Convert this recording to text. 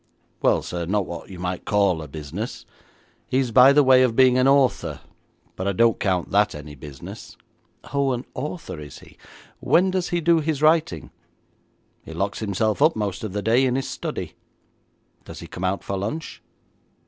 'Well, sir, not what you might call a business. He is by the way of being an author, but I don't count that any business.' 'Oh, an author, is he? When does he do his writing?' 'He locks himself up most of the day in his study.' 'Does he come out for lunch?'